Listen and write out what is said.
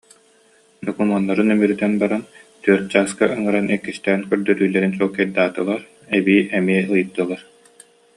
Докумуоннарын үмүрүтэн баран, түөрт чааска ыҥыран иккистээн көрдөрүүлэрин чуолкайдаатылар, эбии эмиэ ыйыттылар